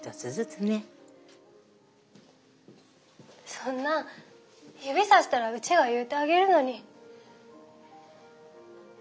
そんなん指さしたらうちが言うてあげるのに。